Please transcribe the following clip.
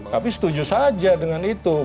tapi setuju saja dengan itu